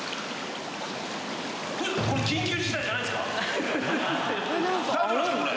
これ緊急事態じゃないんすか？